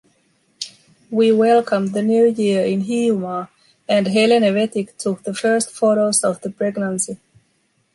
We welcomed the new year in Hiiumaa and Helene Vetik took the first photos of the pregnancy.